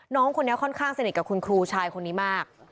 น้องคนนี้ค่อนข้างสนิทกับคุณครูชายคนนี้มาก